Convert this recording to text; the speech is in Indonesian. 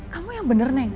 kamu yang bener neng